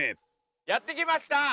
やって来ました。